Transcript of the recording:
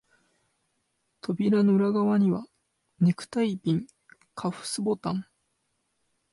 扉の裏側には、ネクタイピン、カフスボタン、